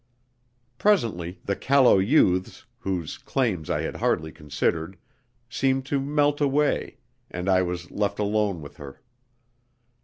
Presently, the callow youths, whose claims I had hardly considered, seemed to melt away, and I was left alone with her.